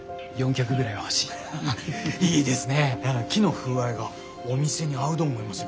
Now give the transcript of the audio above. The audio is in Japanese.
木の風合いがお店に合うど思いますよ。